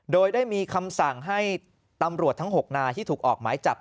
โดยได้มีคำสั่งให้ตำรวจทั้ง๖นายที่ถูกออกหมายจับ